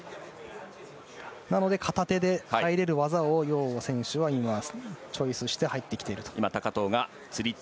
なので片手で入れる技をヨウ選手はチョイスして入ってきている。